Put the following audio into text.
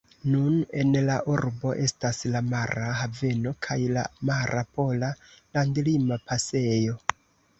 Nun en la urbo estas la mara haveno kaj la mara pola landlima pasejo.